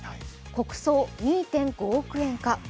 国葬２．５億円か。